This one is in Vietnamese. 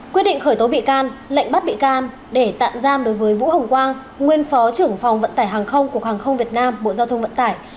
quyết định khởi tố bị can lệnh bắt bị can để tạm giam đối với vũ hồng quang nguyên phó trưởng phòng vận tải hàng không của hàng không việt nam bộ giao thông vận tải